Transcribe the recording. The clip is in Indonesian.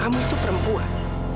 kamu itu perempuan